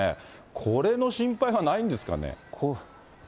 これの心配はないんですかね。